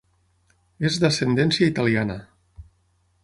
És d'ascendència italiana.